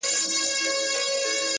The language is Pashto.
خپل یې کلی او دېره، خپله حجره وه.!